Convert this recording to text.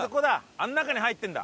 あの中に入ってるんだ。